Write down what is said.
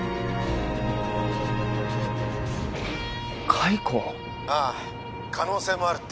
解雇？ああ可能性もあるって。